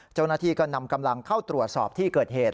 เจ้าหน้าที่ก็นำกำลังเข้าตรวจสอบที่เกิดเหตุ